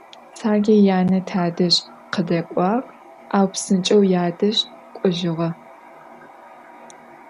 Sêrgêy yane tadej khıdek'uağ, au psınç'eu yadej k'ojığe.